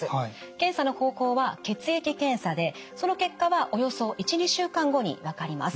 検査の方法は血液検査でその結果はおよそ１２週間後に分かります。